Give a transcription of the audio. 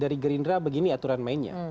dari gerindra begini aturan mainnya